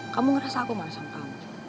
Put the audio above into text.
kamu ngerasa aku marah sama kamu